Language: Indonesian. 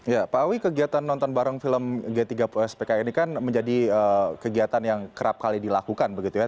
ya pak awi kegiatan nonton bareng film g tiga puluh spki ini kan menjadi kegiatan yang kerap kali dilakukan begitu ya